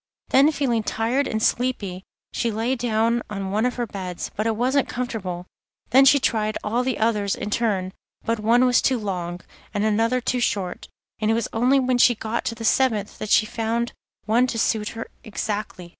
Then feeling tired and sleepy she lay down on one of the beds, but it wasn't comfortable; then she tried all the others in turn, but one was too long, and another too short, and it was only when she got to the seventh that she found one to suit her exactly.